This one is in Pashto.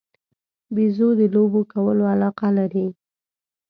بیزو د لوبو کولو علاقه لري.